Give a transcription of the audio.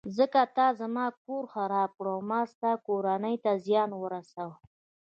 ځکه تا زما کور خراب کړ او ما ستا کورنۍ ته زیان ورساوه.